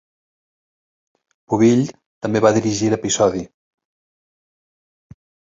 Povill també va dirigir l'episodi.